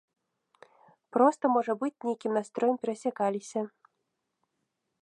Проста, можа быць, нейкім настроем перасякаліся.